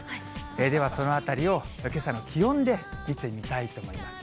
では、そのあたりをけさの気温で見てみたいと思います。